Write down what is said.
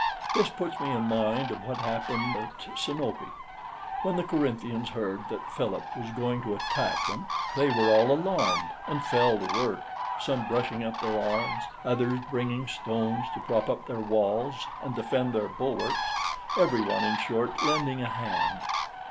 This puts me in mind of what happened at Sinope. {20a} When the Corinthians heard that Philip was going to attack them, they were all alarmed, and fell to work, some brushing up their arms, others bringing stones to prop up their walls and defend their bulwarks, every one, in short, lending a hand.